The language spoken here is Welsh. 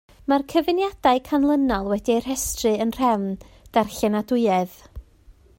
Mae'r cyfuniadau canlynol wedi eu rhestru yn nhrefn darllenadwyedd.